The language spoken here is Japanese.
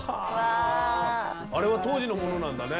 あれは当時のものなんだね。